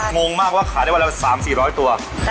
งงมากว่าขายได้วันละ๓๔๐๐ตัว